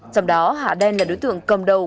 trong đó hà đen là đối tượng cầm đầu